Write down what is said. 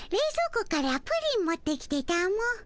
庫からプリン持ってきてたも。